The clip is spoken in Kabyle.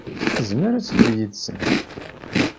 Tezmer ad teddu yid-sen.